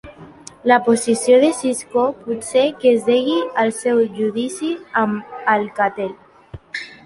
La posició de Cisco potser que es degui al seu judici amb Alcatel.